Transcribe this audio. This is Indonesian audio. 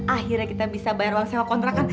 akhirnya kita bisa bayar uang sewa kontrakan